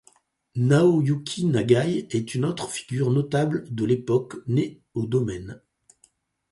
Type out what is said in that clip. Naoyuki Nagai est une autre figure notable de l'époque née au domaine.